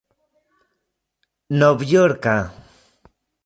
novjorka